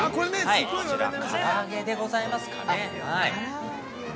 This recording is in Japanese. こちら、から揚げでございますかね、はい。